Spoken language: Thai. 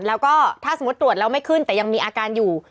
แล้วก็ถ้าสมมุติตรวจแล้วไม่ขึ้นแต่ยังมีอาการอยู่